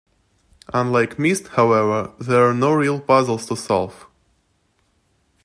Unlike Myst however, there are no real puzzles to solve.